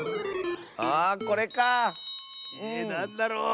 あこれかあ。えなんだろう。